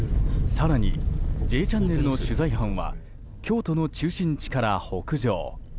更に「Ｊチャンネル」の取材班は京都の中心地から北上。